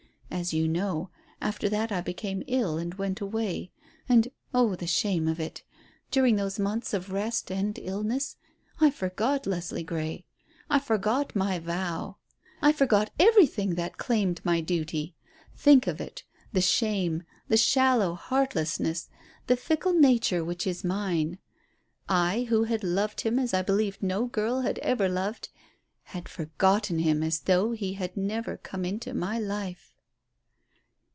As you know, after that I became ill and went away. And, oh, the shame of it, during those months of rest and illness I forgot Leslie Grey, I forgot my vow. I forgot everything that claimed my duty. Think of it the shame, the shallow heartlessness, the fickle nature which is mine. I, who had loved him as I believed no girl had ever loved, had forgotten him as though he had never come into my life."